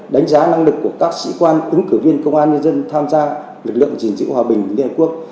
đánh giá năng lực của các sĩ quan ứng cử viên công an nhân dân tham gia lực lượng di dịu hòa bình liên quốc